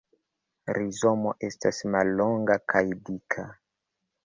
Rizomo estas mallonga kaj dika.